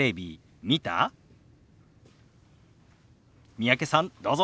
三宅さんどうぞ。